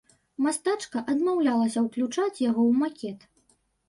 Мастачка адмаўлялася ўключаць яго ў макет.